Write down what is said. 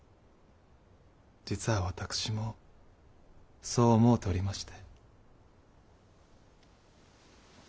実は私もそう思うておりまして。